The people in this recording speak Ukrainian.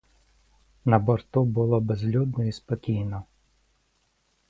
На борту було безлюдно й спокійно.